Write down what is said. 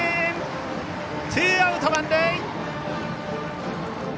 ツーアウト満塁。